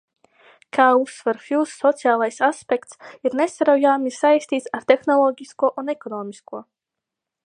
Kā uzsver Hjūzs sociālais aspekts ir nesaraujami saistīts ar tehnoloģisko un ekonomisko.